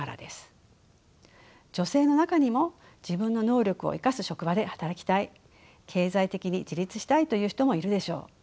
女性の中にも自分の能力を生かす職場で働きたい経済的に自立したいという人もいるでしょう。